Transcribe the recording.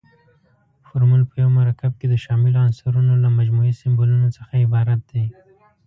فورمول په یو مرکب کې د شاملو عنصرونو له مجموعي سمبولونو څخه عبارت دی.